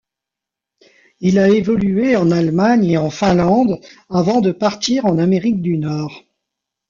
Il a évolué en Allemagne et Finlande avant de partir en Amérique du Nord.